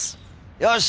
よし！